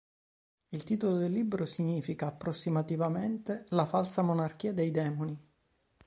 Il titolo del libro significa approssimativamente "la falsa monarchia dei demoni".